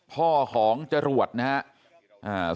พ่อของจรวดนะครับ